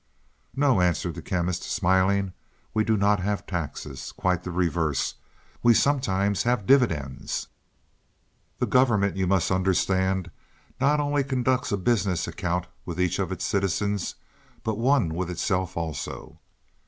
"No," answered the Chemist smiling, "we do not have taxes. Quite the reverse, we sometimes have dividends. "The government, you must understand, not only conducts a business account with each of its citizens, but one with itself also.